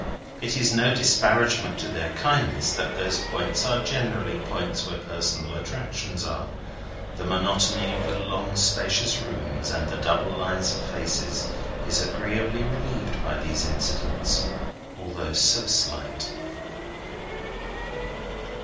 It is no disparagement to their kindness that those points are generally points where personal attractions are. The monotony of the long spacious rooms and the double lines of faces is agreeably relieved by these incidents, although so slight.